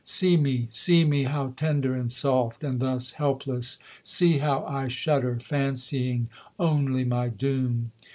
See me, See me, how tender and soft, and thus helpless! See how I shudder, Fancying only my doom.